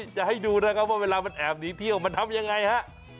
จะให้ดูนะครับว่าเวลามันแอบหนีเที่ยวมันทำยังไงฮะ